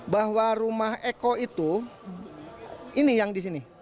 bahwa rumah eko itu ini yang di sini